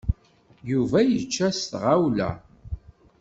Yuba yečča s tɣawla